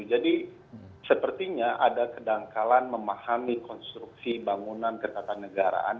jadi sepertinya ada kedangkalan memahami konstruksi bangunan kertata negaraan